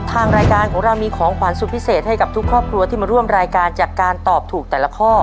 ทางรายการของเรามีของขวัญสุดพิเศษให้กับทุกครอบครัวที่มาร่วมรายการจากการตอบถูกแต่ละข้อ